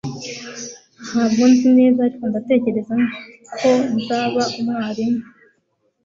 ntabwo nzi neza, ariko ndatekereza ko nzaba umwarimu